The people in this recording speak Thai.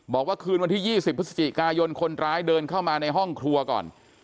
บอกว่าคืนวันที่๒๐พฤศจิกายนคนร้ายเดินเข้ามาในห้องครัวก่อน